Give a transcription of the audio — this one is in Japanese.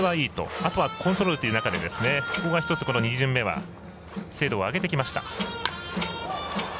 あとはコントロールというなかでそこが１つ、２巡目は精度を上げてきました。